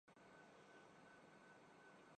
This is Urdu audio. یہی معاملہ پیپلزپارٹی کا بھی ہے۔